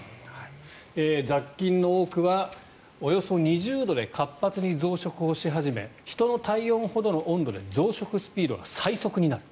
雑菌の多くは、およそ２０度で活発に増殖をし始め人の体温ほどの温度で増殖スピードが最速になる。